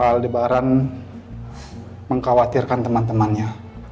pak aldebaran mengkhawatirkan teman temannya